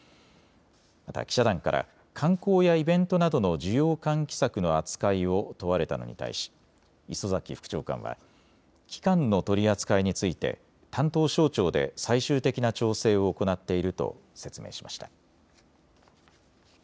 また記者団から観光やイベントなどの需要喚起策の扱いを問われたのに対し磯崎副長官は期間の取り扱いについて担当省庁で最終的な調整を行っていると説明しました。